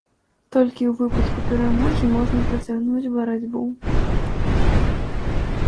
Толькі ў выпадку перамогі можна працягнуць барацьбу.